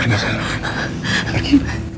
pergi sekarang pergi